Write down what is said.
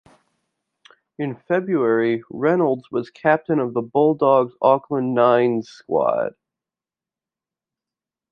In February, Reynolds was captain of the Bulldogs Auckland Nines squad.